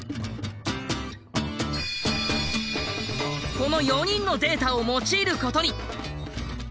この４人のデータを用いることに。